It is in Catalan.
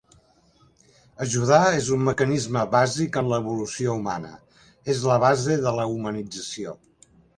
Ajudar és un mecanisme bàsic en l'evolució humana, és la base de la humanització.